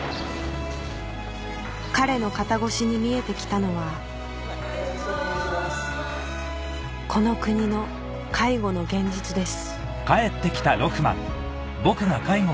彼の肩越しに見えて来たのはこの国の介護の現実です